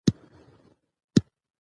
موږ هر سهار چای څښي🥃